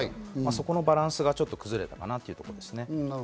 そこのバランスがちょっと崩れたかな？と思いますね。